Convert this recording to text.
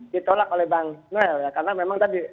ditolak oleh bang noel ya karena memang tadi